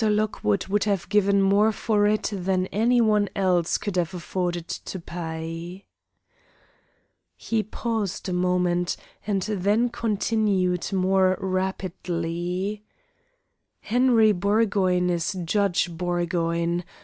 Lockwood would have given more for it than any one else could have afforded to pay." He paused a moment, and then continued more rapidly: "Henry Burgoyne is Judge Burgoyne.